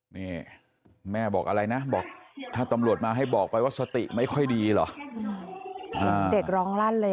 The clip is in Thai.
นี่แม่บอกอะไรนะบอกถ้าตำรวจมาให้บอกไปว่าสติไม่ค่อยดีเหรอเสียงเด็กร้องลั่นเลย